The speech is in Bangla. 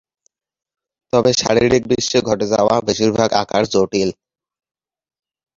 তবে শারীরিক বিশ্বে ঘটে যাওয়া বেশিরভাগ আকার জটিল।